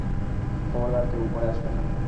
খবরদার কেউ উপরে আসবে না।